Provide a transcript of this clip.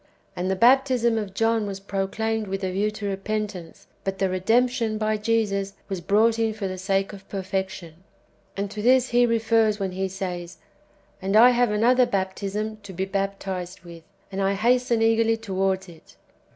And the baptism of John was proclaimed with a view to repentance, but the redemption by Jesus ^ was brought in for the sake of perfection. And to this He refers when He says, "And I have another baptism to be baptized with, and I hasten eagerly towards it."